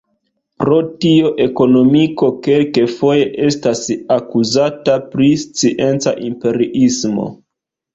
Pro tio ekonomiko kelkfoje estas akuzata pri scienca imperiismo.